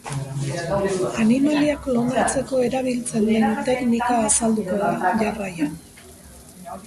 Animaliak klonatzeko erabiltzen den teknika azalduko da jarraian.